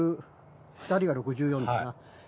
２人が６４かな。